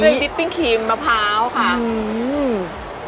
แล้วก็ด้วยวิปปิ้งครีมมะพร้าวค่ะอืม